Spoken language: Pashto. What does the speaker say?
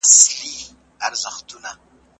وطن په تشو شعارونو نه جوړېږي.